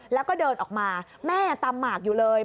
แล้วก็เดินออกมาแม่ตำหมากอยู่เลย